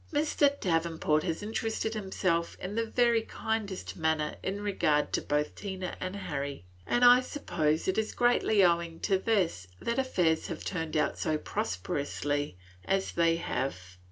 Mr. Davenport has interested himself in the very kindest manner in regard to both Tina and Harry, and I suppose it is greatly owing to this that affairs have turned out as prosperously as they have.